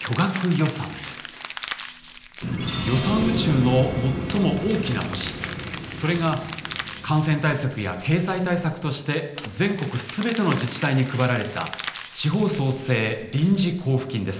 予算宇宙の最も大きな星それが感染対策や経済対策として全国全ての自治体に配られた地方創生臨時交付金です。